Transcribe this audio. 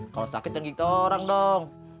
kalau sakit jangan gigit orang dong